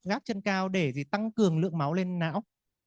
gác chân cao để tăng cường lượng máu lên não